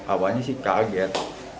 awalnya sih kaget